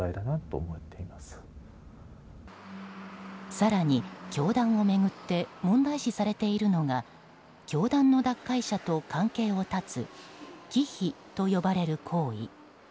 更に教団を巡って問題視されているのが教団の脱会者と関係を断つ忌避と呼ばれる行為。